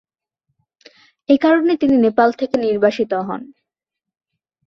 এ কারণে তিনি নেপাল থেকে নির্বাসিত হন।